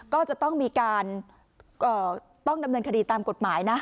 ก็จะต้องมีการต้องดำเนินคดีตามกฎหมายนะ